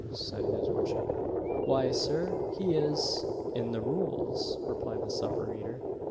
said his worship. "Why, Sir, he is in the Rules!" replied the supper eater.